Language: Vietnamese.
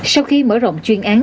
sau khi mở rộng chuyên án